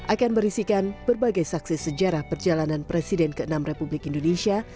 akan berisikan berbagai saksi sejarah perjalanan presiden ke enam republik indonesia